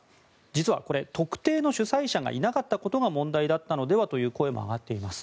実はこれ、特定の主催者がいなかったことが問題だったのではという声が上がっています。